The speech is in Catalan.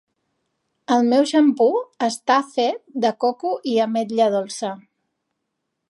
El meu xampú està fet de coco i ametlla dolça.